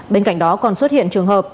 bên cạnh đó còn xuất hiện trường hợp